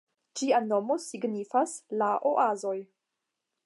Ĝia nomo signifas "la oazoj".